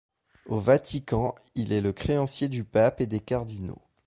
Au Vatican, il est le créancier du pape et des cardinaux.